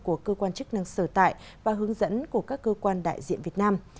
của cơ quan chức năng sở tại và hướng dẫn của các cơ quan đại diện việt nam